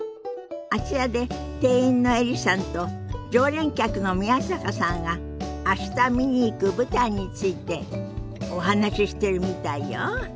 あちらで店員のエリさんと常連客の宮坂さんが明日見に行く舞台についてお話ししてるみたいよ。